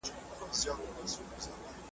په لومړۍ ورځ چی می ستا سره لیدلي .